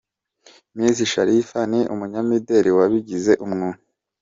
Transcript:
Misi Sharifa ni umunyamideli wabigize umwuga.